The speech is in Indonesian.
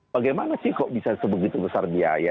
bagaimana sih kok bisa sebegitu besar biaya